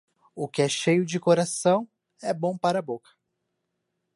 O que é cheio de coração, é bom para a boca.